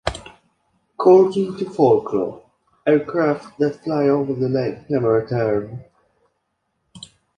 According to folklore, aircraft that fly over the lake never return.